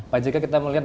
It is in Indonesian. pak jk kita melihat